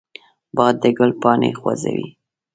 باد د ګل پاڼې خوځوي